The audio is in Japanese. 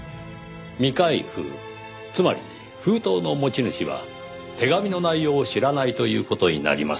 未開封つまり封筒の持ち主は手紙の内容を知らないという事になります。